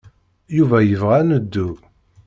Yuba yebɣa ad neddu.